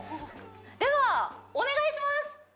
ではお願いします